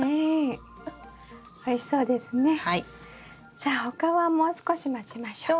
じゃあ他はもう少し待ちましょうか。